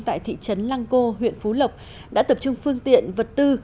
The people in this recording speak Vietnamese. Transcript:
tại thị trấn lang co huyện phú lộc đã tập trung phương tiện vật tư